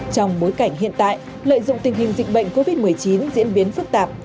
trong bối cảnh hiện tại lợi dụng tình hình dịch bệnh covid một mươi chín diễn biến phức tạp